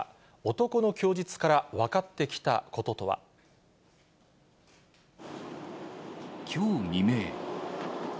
男の供述から分かってきたことときょう未明。